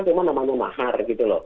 cuma namanya mahar gitu loh